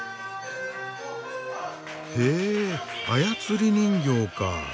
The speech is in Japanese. へえ操り人形か。